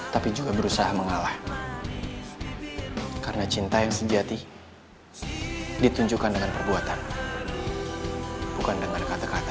tapi juga berusaha mengalah karena cinta yang sejati ditunjukkan dengan perbuatan bukan dengan kata kata